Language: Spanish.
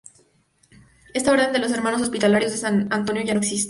Esta orden de los Hermanos Hospitalarios de San Antonio ya no existe.